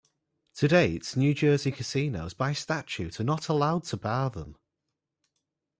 To date, New Jersey casinos-by statute-are not allowed to bar them.